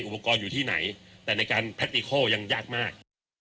อุปกรณ์อยู่ที่ไหนแต่ในการยังยากมาก